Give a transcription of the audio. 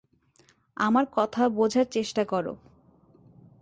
আমার কথা বোঝার চেষ্টা করো।